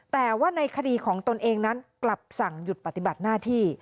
แต่ว่าในคดีของตนเองนั้นกลับสั่งหยุดปฏิบัติหน้าที่